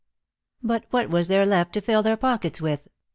" But what was there left to fill their pockets with